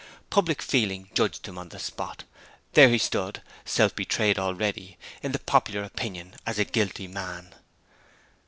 Public feeling judged him on the spot. There he stood, self betrayed already, in the popular opinion, as a guilty man!